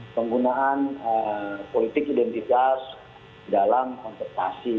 penggunaan politik identitas dalam kontestasi